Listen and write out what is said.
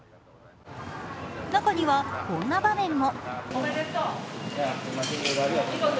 中にはこんな場面も。